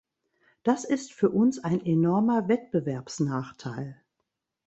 Das ist für uns ein enormer Wettbewerbsnachteil.